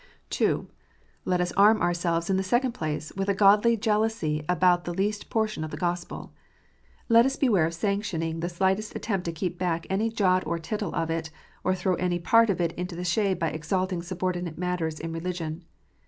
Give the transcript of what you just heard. (2) Let us arm ourselves, in the second place, with a godly iealousy about the least portion of the Gospel. Let us beware of sanctioning the slightest attempt to keep back any jot or tittle of it, or to throw any part of it into the shade by exalting subordinate matters in religion.